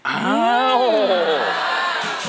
อ้าว